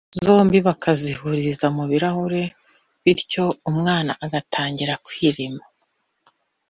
zombi bakazihuriza mu birahure bityo umwana agatangira kwirema